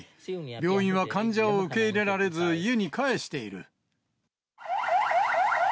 病院は患者を受け入れられず、家に帰している。